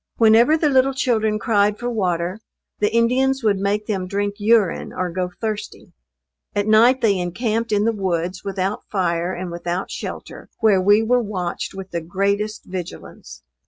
Whenever the little children cried for water, the Indians would make them drink urine or go thirsty. At night they encamped in the woods without fire and without shelter, where we were watched with the greatest vigilance.